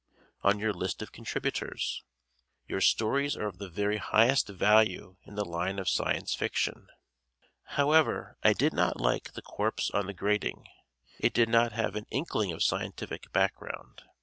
on your list of contributors. Your stories are of the very highest value in the line of Science Fiction. However, I did not like "The Corpse on the Grating." It did not have an inkling of scientific background.